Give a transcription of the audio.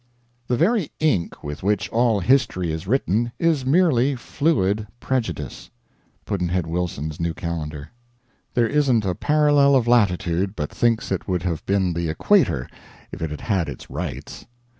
The very ink with which all history is written is merely fluid prejudice. Pudd'nhead Wilsons's New Calendar. There isn't a Parallel of Latitude but thinks it would have been the Equator if it had had its rights.